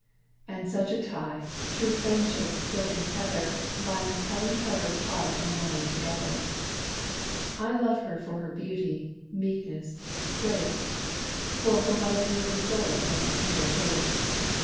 And such a tie, true friendship's silken tether, Binds Helen Trevor's heart and mine together. I love her for her beauty, meekness, grace; For her white lily soul and angel face.